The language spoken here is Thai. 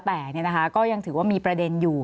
แต่ก็ยังถือว่ามีประเด็นอยู่